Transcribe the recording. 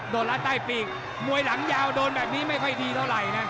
โดนรัดใต้ปีกมวยหลังยาวโดนแบบนี้ไม่ค่อยดีเท่าไหร่นะ